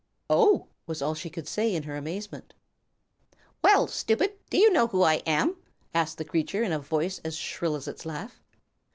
"Oh!" was all she could say in her amazement. "Well, stupid, do you know who I am?" asked the creature in a voice as shrill as its laugh.